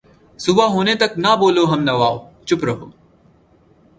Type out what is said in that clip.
صبح ہونے تک نہ بولو ہم نواؤ ، چُپ رہو